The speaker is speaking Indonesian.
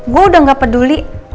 gue udah gak peduli